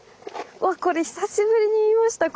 わっこれ久しぶりに見ました